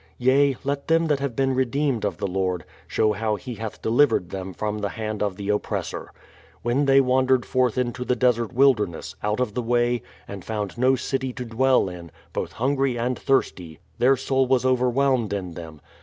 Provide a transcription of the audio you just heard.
Yea, let them that have been re deemed of the Lord, show how He hath delivered them from the hand of the oppressor. When they wandered forth into the desert wilderness, out of the way, and found no city to dwell in, both hungry and thirsty, their soul was overwhelmed in them.